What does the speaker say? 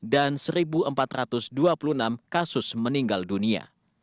dan satu empat ratus dua puluh enam kasus meninggal dunia